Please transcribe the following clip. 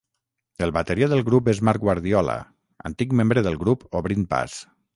El bateria del grup és Marc Guardiola, antic membre del grup Obrint Pas.